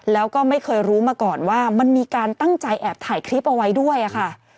แล้วก็ไม่เคยรู้มาก่อนว่ามันมีการตั้งใจแอบถ่ายคลิปเอาไว้ด้วยค่ะ